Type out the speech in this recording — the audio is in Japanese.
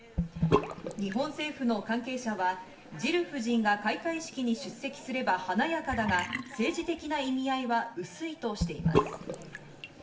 日本政府の関係者はジル夫人が開会式に出席すれば華やかだが、政治的な意味合いは薄いとしています。